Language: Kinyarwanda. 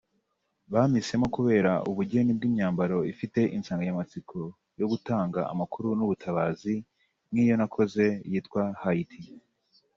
Bampisemo kubera ubugeni bw’imyambaro ifite insanganyamatsiko yo gutanga amakuru n’ubutabazi nk’iyo nakoze yitwa Haiti